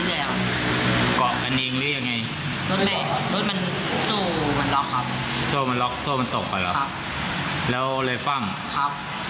เพราะว่า๙๐๐